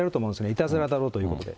いたずらだろうということで。